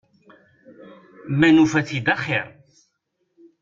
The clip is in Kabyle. Ma nufa-t-id axiṛ.